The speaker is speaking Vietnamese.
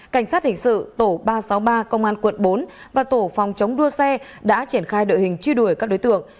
cảnh sát hình sự tổ ba trăm sáu mươi ba công an quận bốn và tổ phòng chống đua xe đã triển khai đội hình truy đuổi các đối tượng